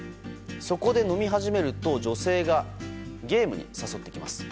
そこで飲み始めると女性がゲームに誘ってきます。